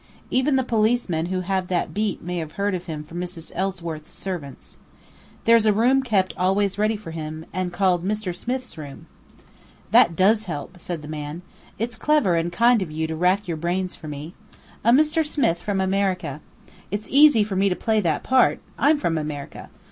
Even the policemen who have that beat may have heard of him from Mrs. Ellsworth's servants. There's a room kept always ready for him, and called 'Mr. Smith's room.'" "That does help," said the man. "It's clever and kind of you to rack your brains for me. A Mr. Smith from America! It's easy for me to play that part, I'm from America.